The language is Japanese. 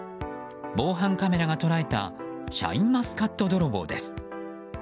防犯カメラが捉えたシャインマスカット泥棒です。